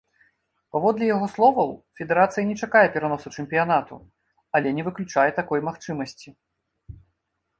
Паводле яго словаў, федэрацыя не чакае пераносу чэмпіянату, але не выключае такой магчымасці.